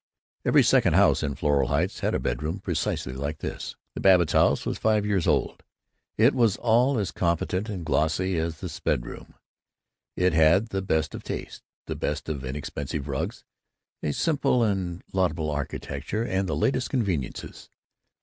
Every second house in Floral Heights had a bedroom precisely like this. The Babbitts' house was five years old. It was all as competent and glossy as this bedroom. It had the best of taste, the best of inexpensive rugs, a simple and laudable architecture, and the latest conveniences.